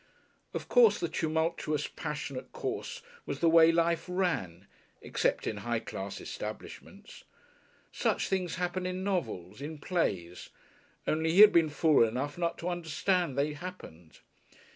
Of course the tumultuous, passionate course was the way life ran except in high class establishments! Such things happened in novels, in plays only he had been fool enough not to understand they happened.